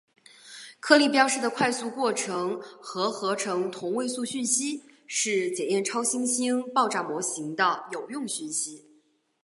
颗粒标示的快速过程核合成同位素讯息是检验超新星爆炸模型的有用讯息。